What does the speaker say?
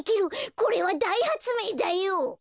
これはだいはつめいだよ！